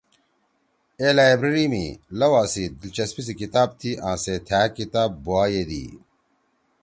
اے لائبریری می لؤا سے دلچسپی سی کتاب تھی آں سے تھأ کتاب بُوا ییدی۔